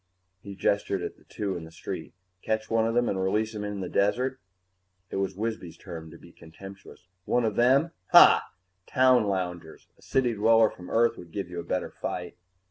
He gestured at the two in the street. "Catch one of them and release him in the desert?" It was Wisby's turn to be contemptuous. "One of them? Hah! Town loungers! A city dweller from Earth would give you a better fight."